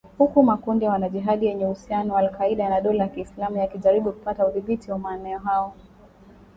Huku makundi ya wanajihadi yenye uhusiano na al-Qaeda na dola ya Kiislamu yakijaribu kupata udhibiti wa maeneo ambayo.